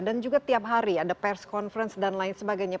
dan juga tiap hari ada pers conference dan lain sebagainya